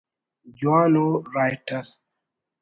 جوان ءُ رائٹر